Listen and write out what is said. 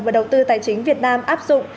và đầu tư tài chính việt nam áp dụng